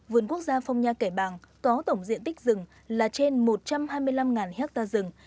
vườn quốc gia phong nha kẻ bàng có tổng diện tích rừng là trên một trăm hai mươi năm ha rừng